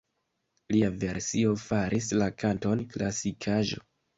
Lia versio faris la kanton klasikaĵo.